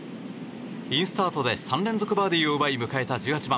インスタートで３連続バーディーを奪い迎えた１８番。